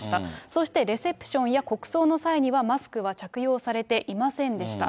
そしてレセプションや国葬の際には、マスクは着用されていませんでした。